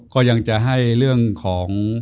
ก็ยังจะให้เรื่องของ